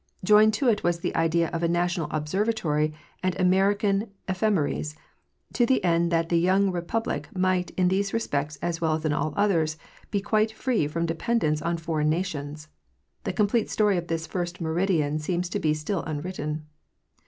Joined to it was the idea of a national observatory and American ephem eris, to the end that the young republic might in these respects as well as in all others be quite free from dependence on foreign nations. The complete story of this first meridian seems to be still unwritten.